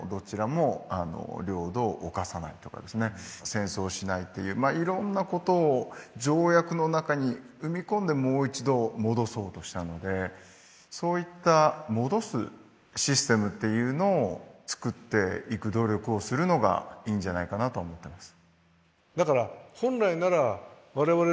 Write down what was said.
戦争しないっていういろんなことを条約の中に組み込んでもう一度戻そうとしたのでそういった戻すシステムっていうのを作っていく努力をするのがいいんじゃないかなと思ってます。